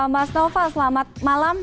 mas taufal selamat malam